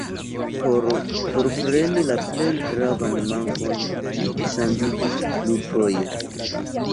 Por forpreni la plej gravan mankon ĝi ŝanĝiĝis plurfoje.